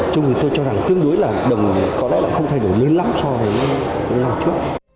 chúng tôi cho rằng tương đối là đồng có lẽ là không thay đổi lớn lắm so với năm trước